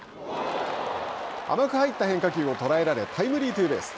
甘く入った変化球を捉えられタイムリーツーベース。